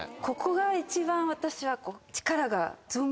ここが一番私は。